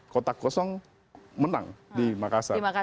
kotak kosong menang di makassar